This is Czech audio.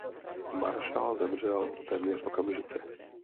Maršál zemřel téměř okamžitě.